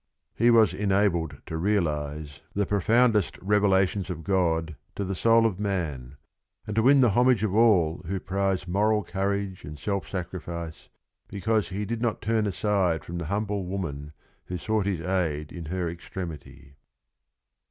He was enabled to realize the profound LESSONS OF RING AND BOOK 233 est revelations of God to the soul of man, and to win the homage of all those who prize moral courage and self sacrifice because he did not turn aside from the humble woman who sought his aid in her extremity.